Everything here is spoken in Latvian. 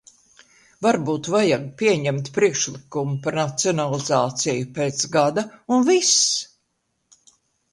Varbūt vajag pieņemt priekšlikumu par nacionalizāciju pēc gada, un viss!